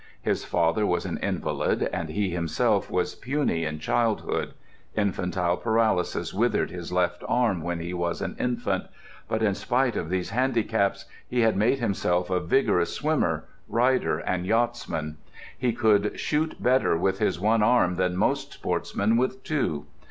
His father was an invalid, and he himself was puny in childhood; infantile paralysis withered his left arm when he was an infant; but in spite of these handicaps he had made himself a vigorous swimmer, rider, and yachtsman; he could shoot better with one arm than most sportsmen with two.